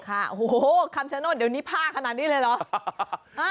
โอ้โหคำชโนธเดี๋ยวนี้ผ้าขนาดนี้เลยเหรอ